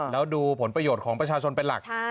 แล้วดูผลประโยชน์ของประชาชนเป็นหลัก